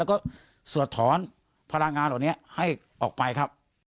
แล้วก็สวดถอนพลังงานเหล่านี้ให้ออกไปครับ